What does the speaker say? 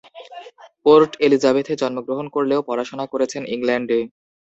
Port এলিজাবেথে জন্মগ্রহণ করলেও পড়াশোনা করেছেন ইংল্যান্ডে।